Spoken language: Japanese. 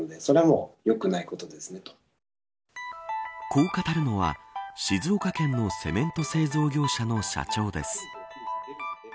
こう語るのは、静岡県のセメント製造業者の社長です。